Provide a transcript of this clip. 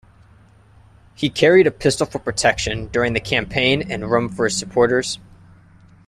He carried a pistol for protection during the campaign and rum for his supporters.